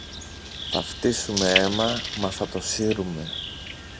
Θα φτύσουμε αίμα μα θα το σύρουμε.